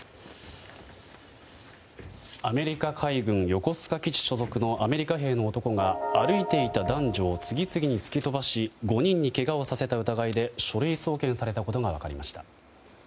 アメリカ海軍横須賀基地所属のアメリカ兵の男が歩いていた男女を次々に突き飛ばし５人にけがをさせた疑いで書類送検されたことが分かりました。